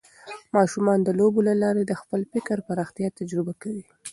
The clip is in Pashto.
ماشومان د لوبو له لارې د خپل فکر پراختیا تجربه کوي.